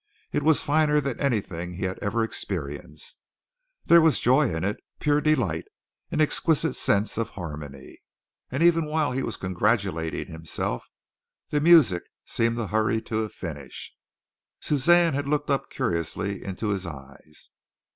It was finer than anything he had ever experienced. There was joy in it, pure delight, an exquisite sense of harmony; and even while he was congratulating himself the music seemed to hurry to a finish. Suzanne had looked up curiously into his eyes.